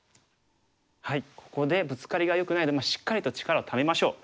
ここでブツカリがよくないのでしっかりと力をためましょう。